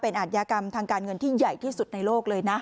อาทยากรรมทางการเงินที่ใหญ่ที่สุดในโลกเลยนะ